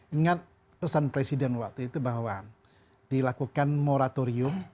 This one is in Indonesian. ingat pesan presiden waktu itu bahwa dilakukan moratorium